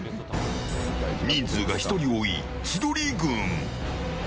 人数が１人多い千鳥軍。